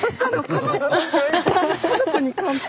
「家族に乾杯」？